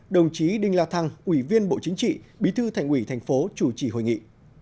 đồng chí đinh lào thăng ủy viên bộ chính trị bí thư thành ủy tp hcm chủ trì hội nghị